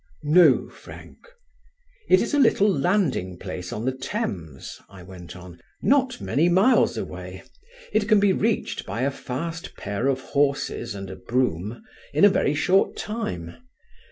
"No, Frank." "It is a little landing place on the Thames," I went on, "not many miles away: it can be reached by a fast pair of horses and a brougham in a very short time.